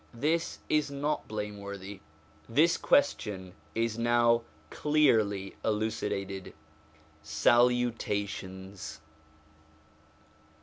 This is not blameworthy. This question is now clearly elucidated. Salutations